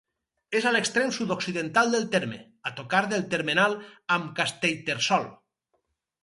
És a l'extrem sud-occidental del terme, a tocar del termenal amb Castellterçol.